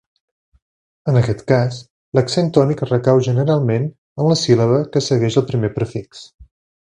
En aquest cas, l'accent tònic recau generalment en la síl·laba que segueix el primer prefix.